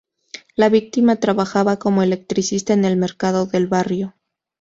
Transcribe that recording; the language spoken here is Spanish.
La víctima trabajaba como electricista en el mercado del barrio.